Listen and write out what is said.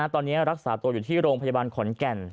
ตอนนี้รักษาตัวอยู่ที่โรงพยาบาลขอนแก่น